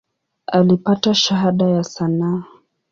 Alipata Shahada ya sanaa.